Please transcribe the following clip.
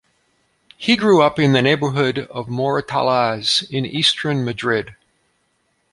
He grew up in the neighborhood of Moratalaz in eastern Madrid.